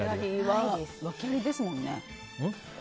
訳ありですもんね。